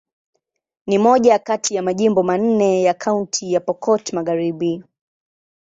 Ni moja kati ya majimbo manne ya Kaunti ya Pokot Magharibi.